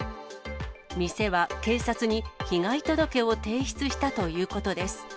店は警察に被害届を提出したということです。